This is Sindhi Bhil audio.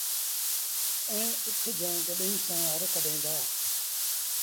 ائيٚݩ اُٺ جآݩ گڏئيٚن سآݩ هر ڪڍين دآ